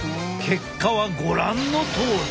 結果はご覧のとおり。